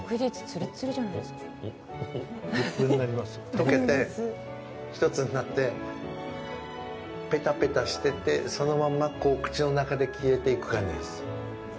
溶けて一つになって、ぺたぺたしててそのまんま口の中で消えていく感じです。